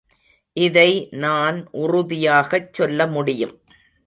இதை நான் உறுதியாகச் சொல்லமுடியும்.